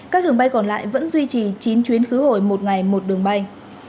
các đường bay còn lại vẫn duy trì chín chuyến khứ hồi một ngày một đường bay